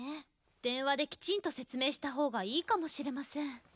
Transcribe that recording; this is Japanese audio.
電話できちんと説明した方がいいかもしれません。